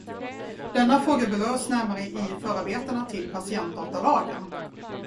Denna fråga berörs närmare i förarbetena till patientdatalagen.